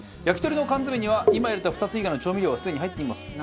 焼き鳥の缶詰には今入れた２つ以外の調味料がすでに入っています。